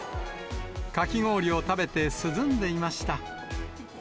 かき氷を食べて涼んでいました。